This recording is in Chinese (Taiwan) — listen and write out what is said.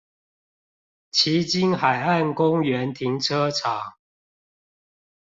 旗津海岸公園停車場